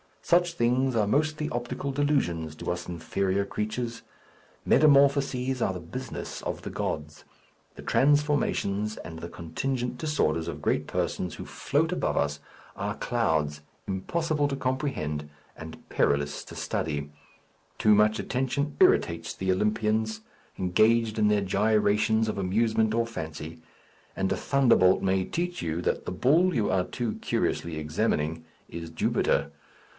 Such things are mostly optical delusions to us inferior creatures. Metamorphoses are the business of the gods: the transformations and the contingent disorders of great persons who float above us are clouds impossible to comprehend and perilous to study. Too much attention irritates the Olympians engaged in their gyrations of amusement or fancy; and a thunderbolt may teach you that the bull you are too curiously examining is Jupiter.